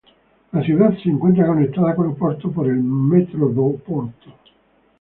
La ciudad se encuentra conectada con Oporto por el Metro do Porto.